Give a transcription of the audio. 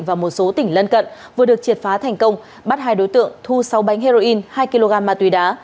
và một số tỉnh lân cận vừa được triệt phá thành công bắt hai đối tượng thu sáu bánh heroin hai kg ma túy đá